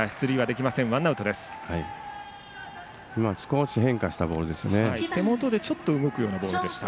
今、少し変化したボールでした。